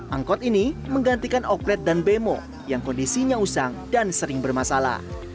angkot ini menggantikan oklet dan bemo yang kondisinya usang dan sering bermasalah